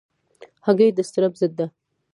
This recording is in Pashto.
هګۍ د اضطراب ضد ده.